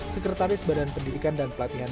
sekretaris badan pendidikan dan pelatihan